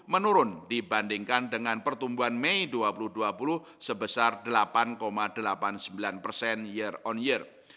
menurun dibandingkan dengan pertumbuhan mei dua ribu dua puluh sebesar delapan delapan puluh sembilan persen year on year